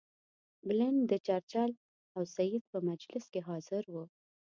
بلنټ د چرچل او سید په مجلس کې حاضر وو.